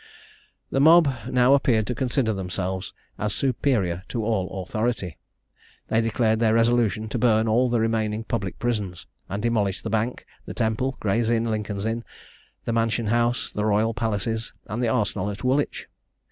The mob now appeared to consider themselves as superior to all authority; they declared their resolution to burn all the remaining public prisons; and demolish the Bank, the Temple, Gray's Inn, Lincoln's Inn, the Mansion House, the royal palaces, and the arsenal at Woolwich.